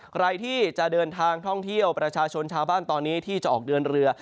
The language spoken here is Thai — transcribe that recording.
ใครที่จะเดินทางท่องเที่ยวประชาชนชาวบ้านตอนนี้ที่จะออกเดินเรือ